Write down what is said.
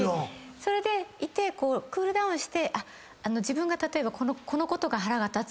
それでいてクールダウンして自分が例えばこのことが腹が立つ。